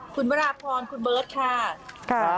คุณมาราภรคุณเบิศค่ะ